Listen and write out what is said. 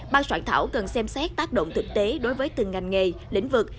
ban soạn thảo cần xem xét tác động thực tế đối với từng ngành nghề lĩnh vực